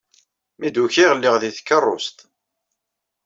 Mi d-ukiɣ lliɣ di tkeṛṛust.